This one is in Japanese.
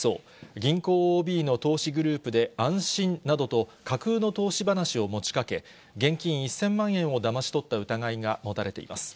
銀行ＯＢの投資グループで、安心などと、架空の投資話を持ちかけ、現金１０００万円をだまし取った疑いが持たれています。